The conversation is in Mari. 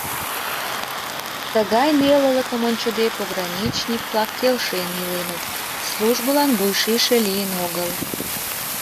Тыгай нелылыкым ончыде, пограничник-влак келшен иленыт, службылан вуйшийше лийын огыл.